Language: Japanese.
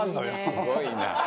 すごいな。